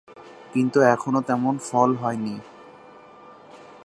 কিন্তু তখনও তেমন ফল হয়নি।